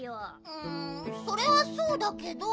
うんそれはそうだけど。